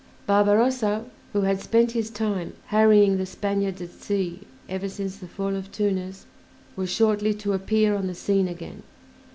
Barbarossa, who had spent his time harrying the Spaniards at sea ever since the fall of Tunis, was shortly to appear on the scene again.